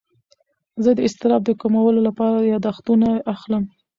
زه د اضطراب د کمولو لپاره یاداښتونه اخلم.